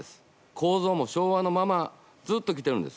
構造も昭和のままずっときているんです。